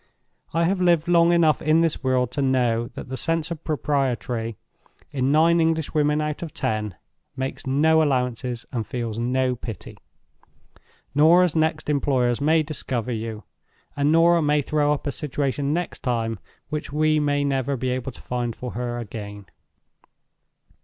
I have lived long enough in this world to know that the sense of Propriety, in nine Englishwomen out of ten, makes no allowances and feels no pity. Norah's next employers may discover you; and Norah may throw up a situation next time which we may never be able to find for her again.